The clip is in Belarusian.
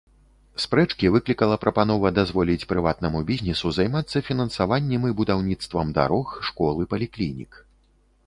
Спрэчкі выклікала прапанова дазволіць прыватнаму бізнесу займацца фінансаваннем і будаўніцтвам дарог, школ і паліклінік.